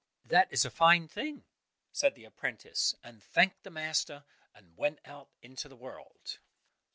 "That is a fine thing," said the apprentice, and thanked the master, and went out into the world.